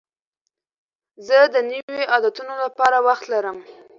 زه د نویو عادتونو لپاره وخت لرم.